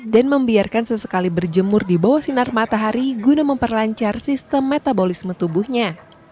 dan membiarkan sesekali berjemur di bawah sinar matahari guna memperlancar sistem metabolisme tubuhnya